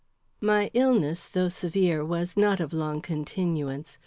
My illness, though severe, was not of long continuance.